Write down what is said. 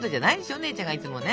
お姉ちゃんがいつもね。